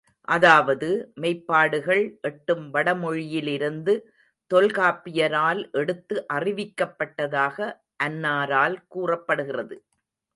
அதாவது, மெய்ப்பாடுகள் எட்டும் வடமொழியிலிருந்து தொல்காப்பியரால் எடுத்து அறிவிக்கப்பட்டதாக அன்னாரால் கூறப்படுகிறது.